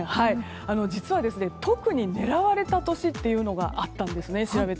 実は、特に狙われた年というのがあったんですね。